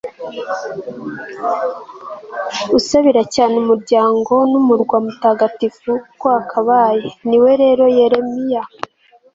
usabira cyane umuryango n'umurwa mutagatifu uko wakabaye; ni we rero yeremiya